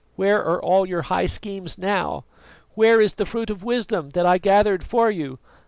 Where are all your high schemes now? Where is the fruit of wisdom that I gathered for you?